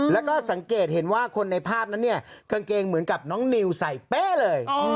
แล้วก็สังเกตเห็นว่าคนในภาพนั้นเนี่ยกางเกงเหมือนกับน้องนิวใส่เป๊ะเลย